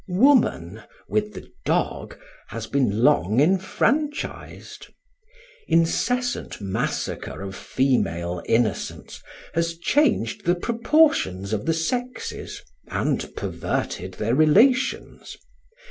Woman, with the dog, has been long enfranchised. Incessant massacre of female innocents has changed the proportions of the sexes and perverted their relations.